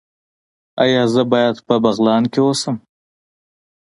ایا زه باید په بغلان کې اوسم؟